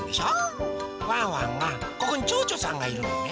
ワンワンがここにちょうちょさんがいるのね。